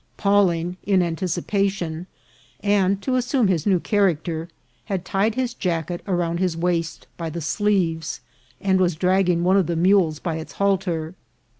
Pawling, in anticipation, and to assume his new charac ter, had tied his jacket around his waist by the sleeves, and was dragging one of the mules by its halter.